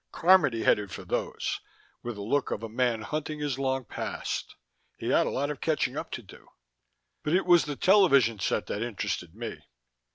Carmody headed for those, with the look of a man hunting his lost past. He had a lot of catching up to do. But it was the television set that interested me.